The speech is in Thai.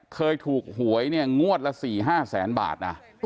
เคยถูกหวยงวดละ๔๕แสนบาท